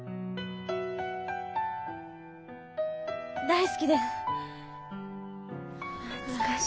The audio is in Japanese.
大好きです。